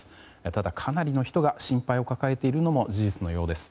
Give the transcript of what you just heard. ただ、かなりの人が心配を抱えているのも事実のようです。